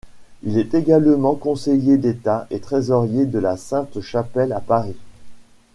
Il est également conseiller d'État, et trésorier de la Sainte-Chapelle à Paris.